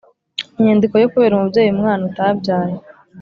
Inyandiko yo kubera umubyeyi umwana utabyaye